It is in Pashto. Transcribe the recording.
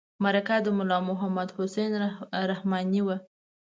مرکه د ملا محمد حسن رحماني وه.